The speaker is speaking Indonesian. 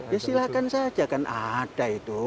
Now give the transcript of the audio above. ya silahkan saja kan ada itu